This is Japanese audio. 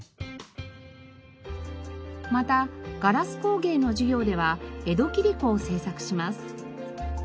またガラス工芸の授業では江戸切子を制作します。